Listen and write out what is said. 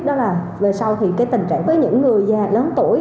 đó là về sau thì cái tình trạng với những người già lớn tuổi